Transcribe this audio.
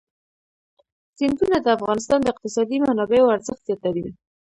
سیندونه د افغانستان د اقتصادي منابعو ارزښت زیاتوي.